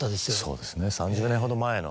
そうですね３０年ほど前の。